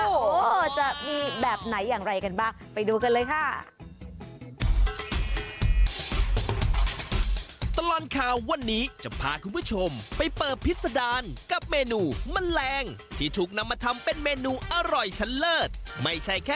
โอ้โหจะมีแบบไหนอย่างไรกันบ้างไปดูกันเลยค่ะ